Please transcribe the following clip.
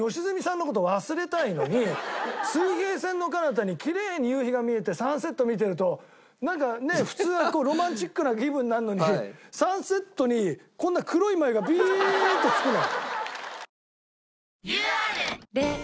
水平線のかなたにきれいに夕日が見えてサンセット見てるとなんかね普通はロマンチックな気分になるのにサンセットにこんな黒い眉がビーッとつくのよ。